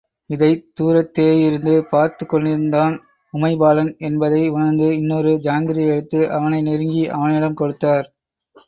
இதைத் தூரத்தேயிருந்து பார்த்துக்கொண்டிருந் தான் உமைபாலன் என்பதை உணர்ந்து, இன்னொரு ஜாங்கிரியை எடுத்து, அவனை நெருங்கி, அவனிடம் கொடுத்தார்.